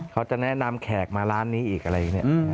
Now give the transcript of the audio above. เขาจะแนะนำแขกมาร้านนี้อีกอะไรอย่างนี้